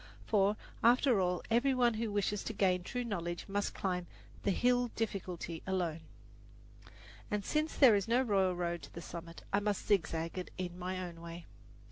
For, after all, every one who wishes to gain true knowledge must climb the Hill Difficulty alone, and since there is no royal road to the summit, I must zigzag it in my own way.